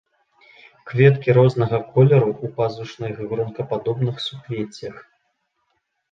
Кветкі рознага колеру, у пазушных гронкападобных суквеццях.